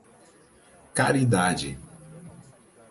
Caridade